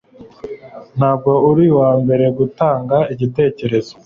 ntabwo uri uwambere gutanga igitekerezo